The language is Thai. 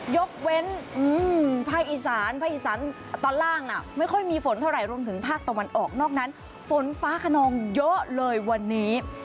ยกเว้นภาคอีสานภาคอีสานตอนล่างไม่ค่อยมีฝนเท่าไหร่รวมถึงภาคตะวันออกนอกนั้นฝนฟ้าขนองเยอะเลยวันนี้